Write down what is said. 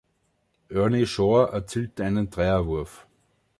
Ernie Shore erzielte einen Dreierwurf.